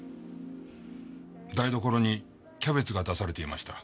台所にキャベツが出されていました。